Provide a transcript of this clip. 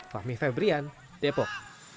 fahmi febrian depok